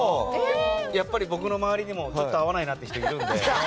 やっぱり僕の周りにもちょっと合わないなって人いるので。